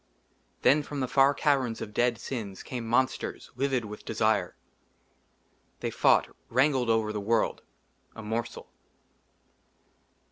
THEN FROM THE FAR CAVERNS OF DEAD SINS CAME MONSTERS, LIVID WITH DESIRE. THEY FOUGHT, WRANGLED OVER THE WORLD, A MORSEL.